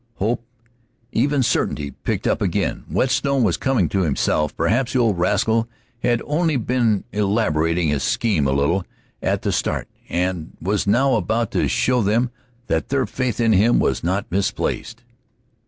Hope, even certainty, picked up again. Whetstone was coming to himself. Perhaps the old rascal had only been elaborating his scheme a little at the start, and was now about to show them that their faith in him was not misplaced.